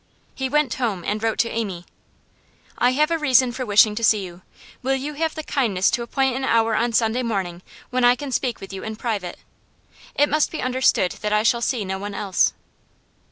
He went home and wrote to Amy. 'I have a reason for wishing to see you. Will you have the kindness to appoint an hour on Sunday morning when I can speak with you in private? It must be understood that I shall see no one else.